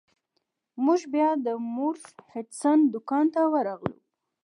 موږ بیا د مورس هډسن دکان ته ورغلو.